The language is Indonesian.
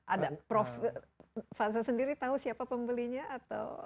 ada prof faza sendiri tahu siapa pembelinya atau